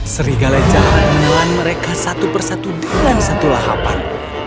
serigala jahat menelan mereka satu persatu dalam satu lahapan